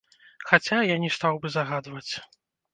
Хаця, я не стаў бы загадваць.